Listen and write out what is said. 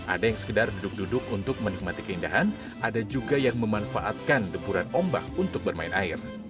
ada yang sekedar duduk duduk untuk menikmati keindahan ada juga yang memanfaatkan deburan ombak untuk bermain air